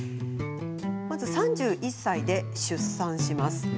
まず、３１歳で出産します。